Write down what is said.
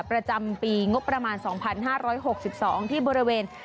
ประจำปีงบประมาณ๒๕๖๒ที่บริเวณ